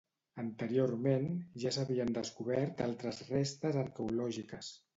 Anteriorment ja s'havien descobert altres restes arqueològiques.